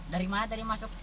dari mana tadi masuk